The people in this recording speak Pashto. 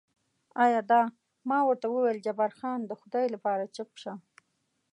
ایا دا؟ ما ورته وویل جبار خان، د خدای لپاره چوپ شه.